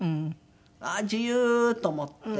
ああ自由！と思って。